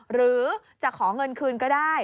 หรือจะขอเงินคืนก็ได้